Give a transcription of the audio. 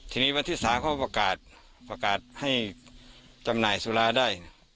ทีนี้วันที่๓เขาประกาศให้จำหน่ายสุราได้